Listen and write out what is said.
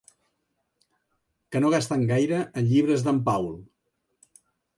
Que no gasten gaire en llibres d'en Paul.